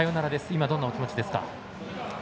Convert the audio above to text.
今どんなお気持ちですか？